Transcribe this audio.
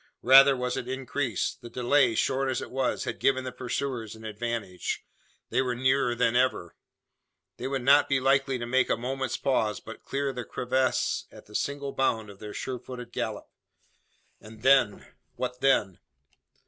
Rather was it increased. The delay, short as it was, had given the pursuers an advantage. They were nearer than ever! They would not be likely to make a moment's pause, but clear the crevasse at a single bound of their sure footed gallop. And then what then?